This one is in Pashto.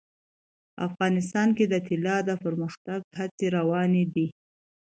افغانستان کې د طلا د پرمختګ هڅې روانې دي.